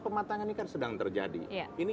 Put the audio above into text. pematangan ini kan sedang terjadi ini